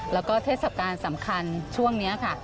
แล้วก็เทศกาลสำคัญช่วงนี้ค่ะ